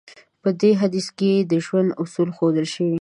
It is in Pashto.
په دې حديث کې د ژوند اصول ښودل شوی.